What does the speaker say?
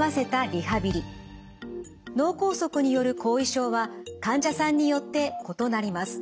脳梗塞による後遺症は患者さんによって異なります。